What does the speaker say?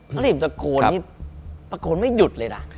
ถ้ารีบตะโกนนี่ตะโกนไม่หยุดเลยนะ